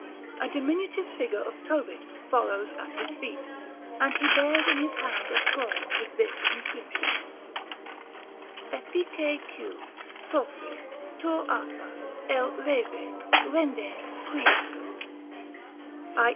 A diminutive figure of Tobit follows at his feet, and he bears in his hand a scroll with this inscription: EFICE Q SOFRE TUR AFA EL REVE RENDE QUIETU i.